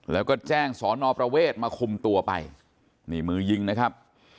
แล้วก็แจ้งสอนอประเวทมาคุมตัวไปนี่มือยิงนะครับ